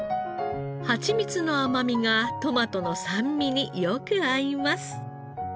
ハチミツの甘みがトマトの酸味によく合います。